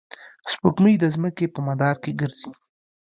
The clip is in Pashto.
سپوږمۍ د ځمکې په مدار کې ګرځي.